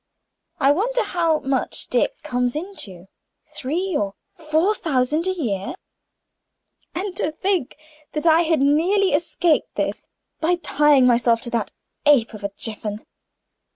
I wonder how much Dick comes into three or four thousand a year? And to think that I had nearly escaped this by tying myself to that ape of a Jiffin!